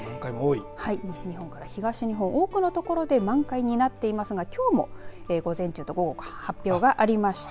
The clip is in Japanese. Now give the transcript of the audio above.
西日本から東日本多くの所で満開になっていますがきょうも午前中と午後発表がありました。